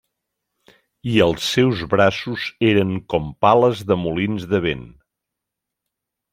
I els seus braços eren com pales de molins de vent.